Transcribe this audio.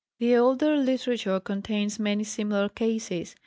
The older literature contains many similar cases.